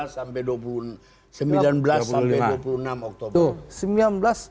sampai sembilan belas sampai dua puluh enam oktober